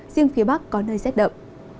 riêng phía bắc có nơi rét đậm